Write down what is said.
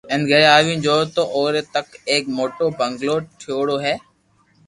ھين گھري آوين جويو تو او ري تي ايڪ موٽو بنگلو ٺيو ڙو ھي